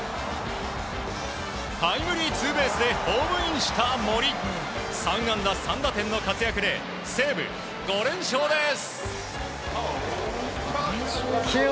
タイムリーツーベースでホームインした森３安打３打点の活躍で西武、５連勝です。